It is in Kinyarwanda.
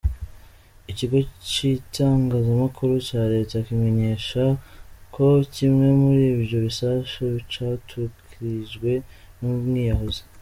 Ikigo c'itangazamakuru ca leta kimenyesha ko kimwe mur'ivyo bisasu caturkijwe n'umwiyahuzi.